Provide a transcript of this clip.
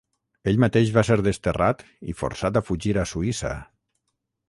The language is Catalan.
Ell mateix va ser desterrat i forçat a fugir a Suïssa.